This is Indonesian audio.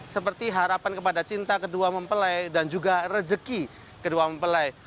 seperti harapan kepada cinta kedua mempelai dan juga rezeki kedua mempelai